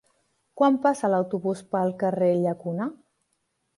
Quan passa l'autobús pel carrer Llacuna?